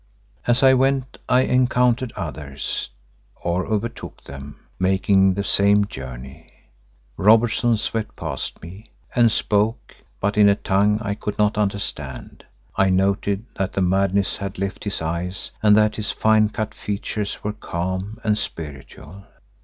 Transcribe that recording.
As I went I encountered others, or overtook them, making the same journey. Robertson swept past me, and spoke, but in a tongue I could not understand. I noted that the madness had left his eyes and that his fine cut features were calm and spiritual.